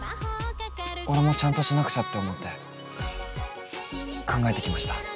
俺もちゃんとしなくちゃって思って考えてきました。